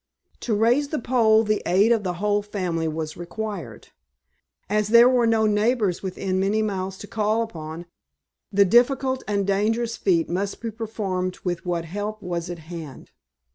To raise the pole the aid of the whole family was required. As there were no neighbors within many miles to call upon, the difficult and dangerous feat must be performed with what help was at hand.